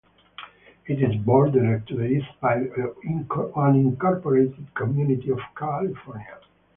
It is bordered to the east by the unincorporated community of California.